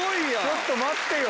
ちょっと待ってよ。